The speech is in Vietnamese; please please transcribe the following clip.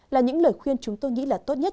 là những lời khuyên chúng tôi nghĩ là tốt nhất